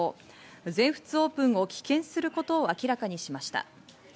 全仏オープンを棄権することを明らかにしました。